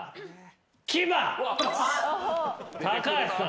高橋さん。